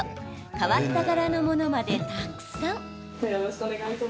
変わった柄のものまでたくさん。